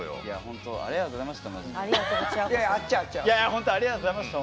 本当ありがとうございました。